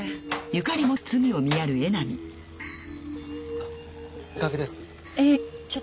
あっ。